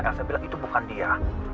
elsa bilang itu bukan dia